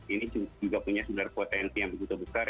ini juga punya sebenarnya potensi yang begitu besar